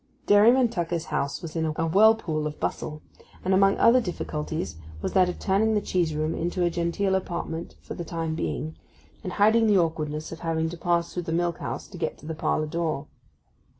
Dairyman Tucker's house was in a whirlpool of bustle, and among other difficulties was that of turning the cheese room into a genteel apartment for the time being, and hiding the awkwardness of having to pass through the milk house to get to the parlour door.